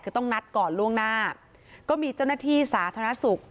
คือต้องนัดก่อนล่วงหน้าก็มีเจ้าหน้าที่สาธารณสุข